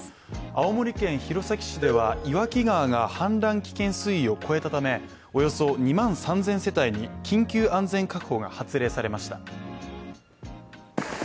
青森県弘前市では岩木川が氾濫危険水位を超えたためおよそ２万３０００世帯に緊急安全確保が発令されました。